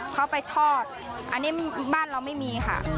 เขาไปทอดอันนี้บ้านเราไม่มีค่ะ